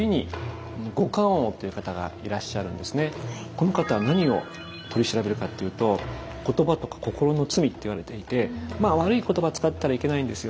この方は何を取り調べるかっていうと言葉とか心の罪といわれていてまあ悪い言葉使ったらいけないんですよね。